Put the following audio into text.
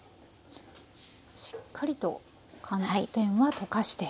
しっかりと寒天は溶かして。